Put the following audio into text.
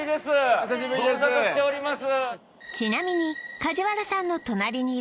ちなみにご無沙汰しております